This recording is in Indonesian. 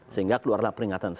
sehingga keluarlah peringatan